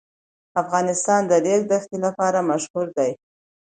افغانستان د ریګ دښتې لپاره مشهور دی.